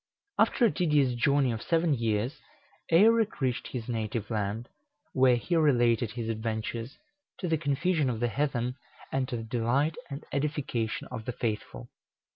After a tedious journey of seven years, Eirek reached his native land, where he related his adventures, to the confusion of the heathen, and to the delight and edification of the faithful.